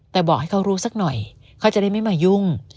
แต่บอกให้เขารู้สักหน่อยเขาจะได้ไม่มายุ่ง